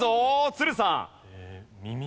都留さん。